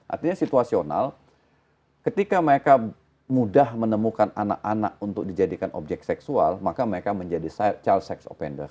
artinya situasional ketika mereka mudah menemukan anak anak untuk dijadikan objek seksual maka mereka menjadi child sex offender